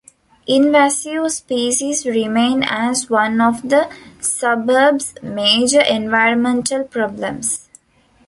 Invasive species remain as one of the suburbs major environmental problems.